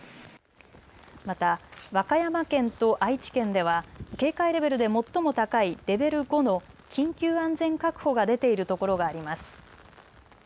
また、和歌山県と愛知県では警戒レベルで最も高いレベル５の緊急安全確保が出ている所があります。